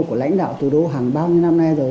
của lãnh đạo thủ đô hàng bao nhiêu năm nay rồi